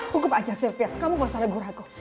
hukum aja sylvia kamu gak usah ragu ragu